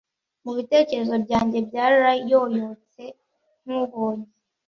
Mubitekerezo byanjye byarayoyotse nkubonye